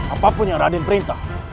apapun yang raden perintah